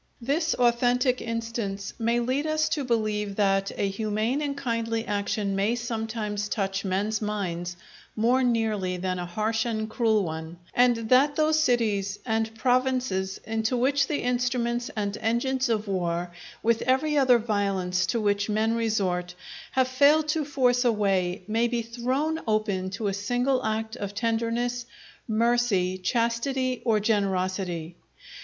This authentic instance may lead us to believe that a humane and kindly action may sometimes touch men's minds more nearly than a harsh and cruel one; and that those cities and provinces into which the instruments and engines of war, with every other violence to which men resort, have failed to force a way, may be thrown open to a single act of tenderness, mercy, chastity, or generosity.